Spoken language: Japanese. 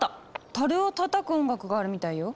たるをたたく音楽があるみたいよ。